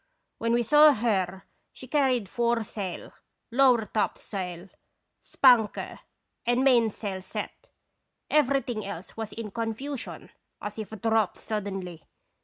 When we saw her she carried fore sail, lower top sail, spanker and main sail set; everything else was in con fusion, as if dropped suddenly.